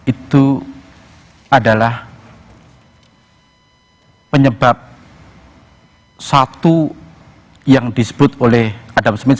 itu adalah penyebab satu yang disebut oleh adam smith